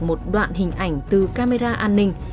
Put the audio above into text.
một đoạn hình ảnh từ camera an ninh